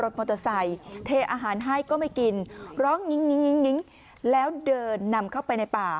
จะไม่กินร้องงิ้งแล้วเดินนำเข้าไปในป่า